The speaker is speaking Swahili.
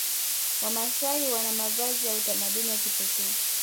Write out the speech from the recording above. Wamasai Wana mavazi ya utamaduni ya kipekee